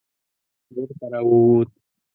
بېرته را ووت.